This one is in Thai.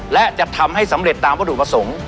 และจะทำให้สำเร็จตามวัตถุประสงค์